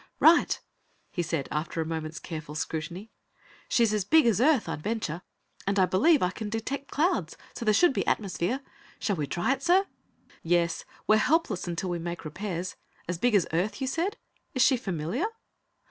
"Right!" he said, after a moment's careful scrutiny. "She's as big as Earth, I'd venture, and I believe I can detect clouds, so there should be atmosphere. Shall we try it, sir?" "Yes. We're helpless until we make repairs. As big as Earth, you said? Is she familiar?"